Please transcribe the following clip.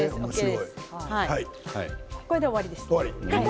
これで終わりです。